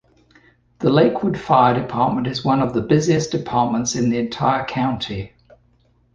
The Lakewood Fire Department is one of the busiest departments in the entire county.